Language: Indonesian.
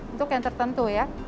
untuk yang tertentu ya